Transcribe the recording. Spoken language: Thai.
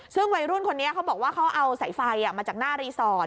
ซึ่งวัยรุ่นคนนี้เขาบอกว่าเขาเอาสายไฟมาจากหน้ารีสอร์ท